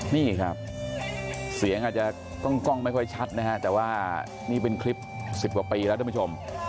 นี่ครับเสียงอาจจะกล้องไม่ค่อยชัดนะฮะแต่ว่านี่เป็นคลิป๑๐กว่าปีแล้วท่านผู้ชม